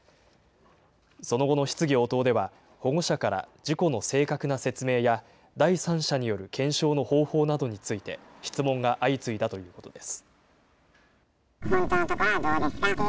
その後の質疑応答では、保護者から事故の正確な説明や、第三者による検証の方法などについて、質問が相次いだということです。